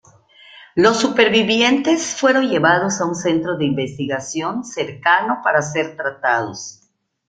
Los supervivientes fueron llevados a un centro de investigación cercano para ser tratados.